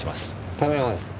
亀山です。